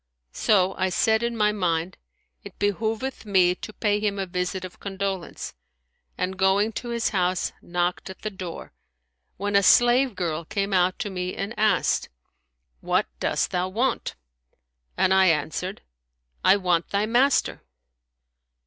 So I said in my mind, It behoveth me to pay him a visit of condolence,' and going to his house, knocked at the door, when a slave girl came out to me and asked, What dost thou want?' and I answered, I want thy master.'